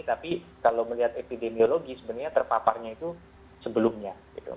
tapi kalau melihat epidemiologi sebenarnya terpaparnya itu sebelumnya